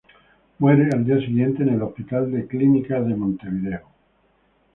Muere al día siguiente, en el Hospital de Clínicas de Montevideo.